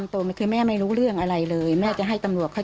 ตอนนี้อายุ๑๑แล้ว